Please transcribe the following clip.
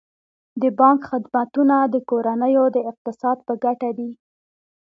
د بانک خدمتونه د کورنیو د اقتصاد په ګټه دي.